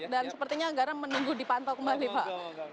dan sepertinya garam menunggu dipantau kembali pak